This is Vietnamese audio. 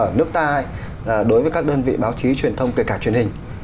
ở nước ta đối với các đơn vị báo chí truyền thông kể cả truyền hình